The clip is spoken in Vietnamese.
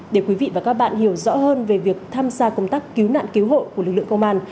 để quý vị và các bạn hiểu rõ hơn về việc tham gia công tác cứu nạn cứu hộ của lực lượng công an